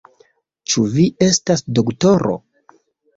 Ĉu vi estas doktoro?